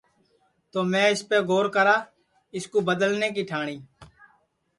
تو میں اِسپے گور کرا اِس کُو بدلنے کی ٹھاٹؔی